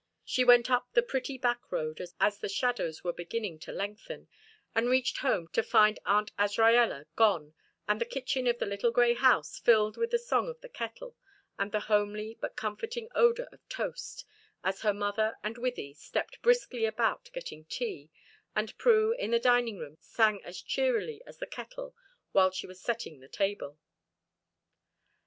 She went up the pretty back road as the shadows were beginning to lengthen, and reached home to find Aunt Azraella gone, and the kitchen of the little grey house filled with the song of the kettle, and the homely, but comforting odor of toast, as her mother and Wythie stepped briskly about getting tea, and Prue in the dining room sang as cheerily as the kettle while she was setting the table.